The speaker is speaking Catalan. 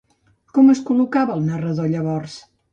Com es col·locava el narrador llavors?